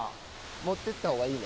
持ってったほうがいいね。